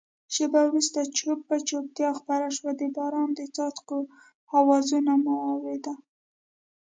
شېبه وروسته چوپه چوپتیا خپره شوه، د باران د څاڅکو آواز مو اورېده.